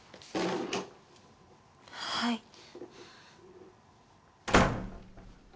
はい。